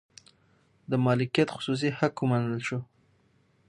د مالکیت خصوصي حق ومنل شو.